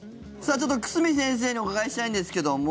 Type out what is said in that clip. ちょっと久住先生にお伺いしたいんですけども